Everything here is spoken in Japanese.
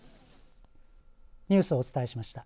ニュースをお伝えしました。